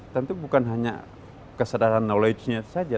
tentu bukan hanya kesadaran knowledge nya saja